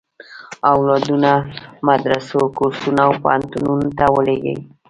اولادونه مدرسو، کورسونو او پوهنتونونو ته ولېږي.